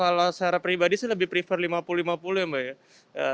kalau secara pribadi sih lebih prefer lima puluh lima puluh ya mbak ya